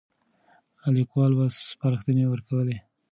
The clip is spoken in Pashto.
ليکوال به سپارښتنې ورکولې.